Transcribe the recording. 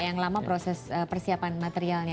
yang lama proses persiapan materialnya